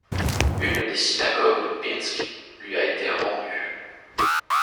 Une des synagogues de Pinsk lui a été rendue.